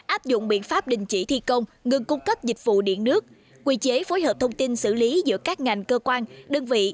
áp dụng biện pháp đình chỉ thi công ngừng cung cấp dịch vụ điện nước quy chế phối hợp thông tin xử lý giữa các ngành cơ quan đơn vị